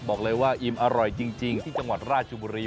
บอกเลยว่าอิ่มอร่อยจริงที่จังหวัดราชบุรี